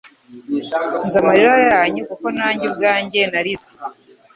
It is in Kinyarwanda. Nzi amarira yanyu, kuko nanjye ubwanjye narize.